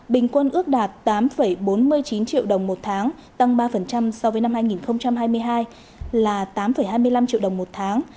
bình quân ước đạt tám bốn mươi chín triệu đồng một tháng tăng ba so với năm hai nghìn hai mươi hai là tám hai mươi năm triệu đồng một tháng